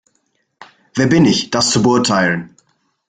Wer bin ich, das zu beurteilen?